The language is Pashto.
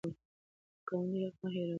د ګاونډي حق مه هېروئ.